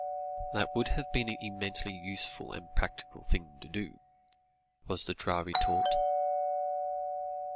"That would have been an eminently useful and practical thing to do," was the dry retort.